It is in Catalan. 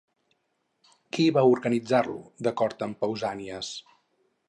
Qui va organitzar-lo, d'acord amb Pausànies?